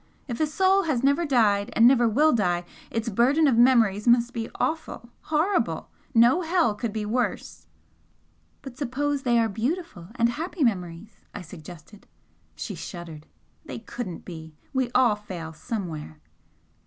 If a soul has never died and never will die, its burden of memories must be awful! horrible! no hell could be worse!" "But suppose they are beautiful and happy memories?" I suggested. She shuddered. "They couldn't be! We all fail somewhere."